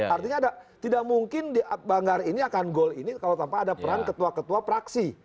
artinya tidak mungkin di banggar ini akan goal ini kalau tanpa ada peran ketua ketua praksi